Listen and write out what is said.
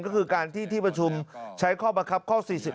ก็คือการที่ที่ประชุมใช้ข้อบังคับข้อ๔๑